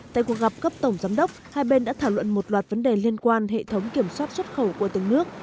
tại cuộc gặp cấp tổng giám đốc hai bên đã thảo luận một loạt vấn đề liên quan hệ thống kiểm soát xuất khẩu của từng nước